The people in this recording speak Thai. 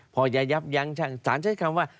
พอจะยับยั้งช่างสารใช้คำว่า